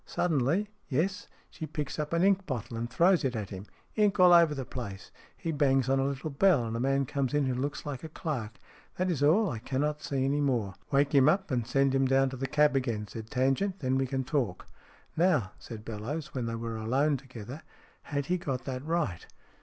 Suddenly yes she picks up an ink bottle and throws it at him. Ink all over the place. He bangs on a little bell, and a man comes in who looks like a clerk. That is all. I cannot see any more." " Wake him up and send him down to the cab again," said Tangent. " Then we can talk." "Now," said Bellowes, when they were alone together. " Had he got that right